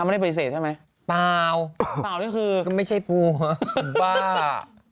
ไม่ได้ปฏิเสธใช่ไหมเปล่าเปล่านี่คือไม่ใช่ปูบ้า